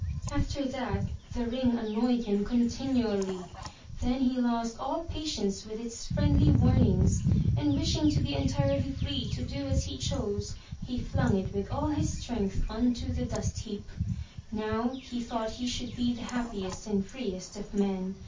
After that, the ring annoyed him continually. Then he lost all patience with its friendly warnings, and wishing to be entirely free to do as he chose, he flung it with all his strength onto the dust heap. Now he thought he should be the happiest and freest of men.